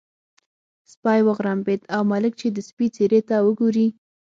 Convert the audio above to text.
سپی وغړمبېد او ملک چې د سپي څېرې ته وګوري.